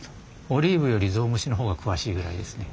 オリーブよりゾウムシの方が詳しいぐらいですね。